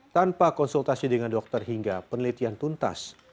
tanpa konsultasi dengan dokter hingga penyelidikan